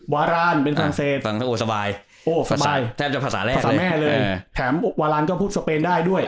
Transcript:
วารานเป็นภาษาเศสสบายสบายแทบประสาทแรกเลยแถมวารานก็พูดสเปนได้ด้วย